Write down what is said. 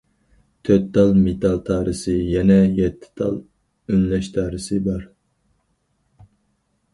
تۆت تال مېتال تارىسى يەنە يەتتە تال ئۈنلەش تارىسى بار.